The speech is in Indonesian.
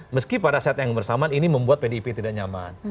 meski pada saat yang bersamaan ini membuat pdip tidak nyaman